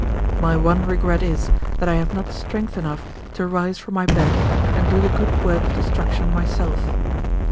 My one regret is, that I have not strength enough to rise from my bed, and do the good work of destruction myself.